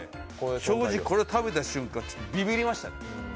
正直、これ食べた瞬間ビビりましたね。